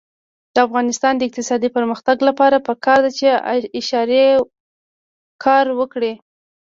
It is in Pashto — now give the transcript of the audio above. د افغانستان د اقتصادي پرمختګ لپاره پکار ده چې اشارې کار وکړي.